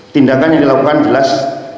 tindakan yang dilakukan jelas